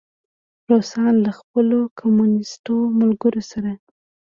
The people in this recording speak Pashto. روسانو له خپلو کمونیسټو ملګرو سره.